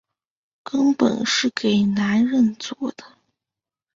根本是给男人做的